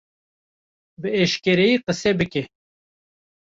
Bi eşkereyî qise bike!